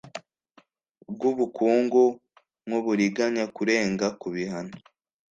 Rw ubukungu nk uburiganya kurenga ku bihano